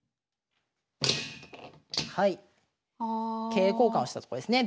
桂交換をしたとこですね。